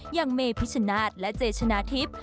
อย่างเมพิชนาธิ์และเจชนะทิพย์